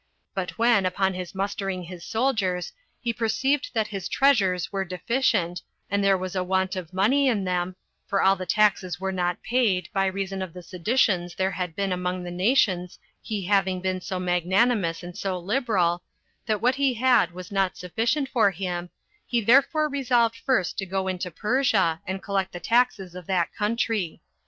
But when, upon his mustering his soldiers, he perceived that his treasures were deficient, and there was a want of money in them, for all the taxes were not paid, by reason of the seditions there had been among the nations he having been so magnanimous and so liberal, that what he had was not sufficient for him, he therefore resolved first to go into Persia, and collect the taxes of that country.